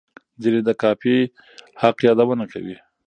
ځینې د کاپي حق یادونه کوي.